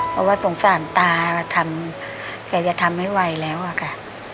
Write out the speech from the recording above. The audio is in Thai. เพราะว่าสงสารตาทำแกจะทำให้ไวแล้วอะค่ะ